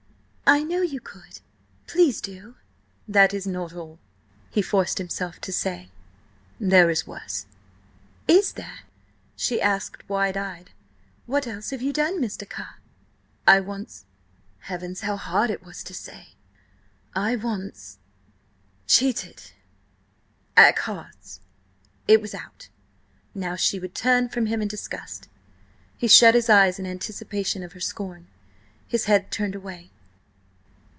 "I know you could. Please do!" "That is not all," he forced himself to say. "There is worse." "Is there?" she asked wide eyed. "What else have you done, Mr. Carr?" "I–once—" heavens, how hard it was to say! "I once ... cheated ... at cards." It was out. Now she would turn from him in disgust. He shut his eyes in anticipation of her scorn, his head turned away.